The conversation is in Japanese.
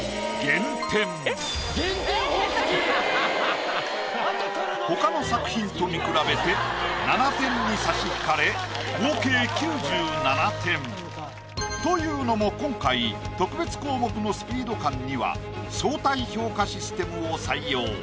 減点方式⁉他の作品と見比べて７点に差し引かれ合計９７点。というのも今回特別項目のスピード感には相対評価システムを採用。